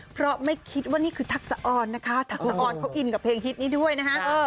เพราะไม่คิดว่านี่คือทักษะออนนะคะทักษะออนเขาอินกับเพลงฮิตนี้ด้วยนะฮะ